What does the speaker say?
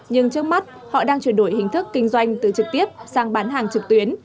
nhưng trước mắt họ đang chuyển đổi hình thức kinh doanh từ trực tiếp sang bán hàng trực tuyến